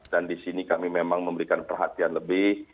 dan di sini kami memang memberikan perhatian lebih